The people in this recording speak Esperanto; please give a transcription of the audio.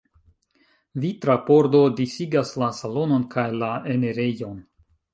Vitra pordo disigas la salonon kaj la enirejon.